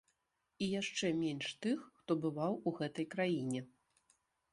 І яшчэ менш тых, хто бываў у гэтай краіне.